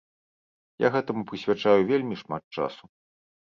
Я гэтаму прысвячаю вельмі шмат часу.